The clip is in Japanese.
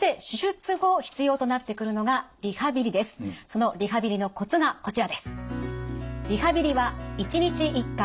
そのリハビリのコツがこちらです。